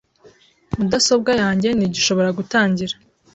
Mudasobwa yanjye ntigishobora gutangira .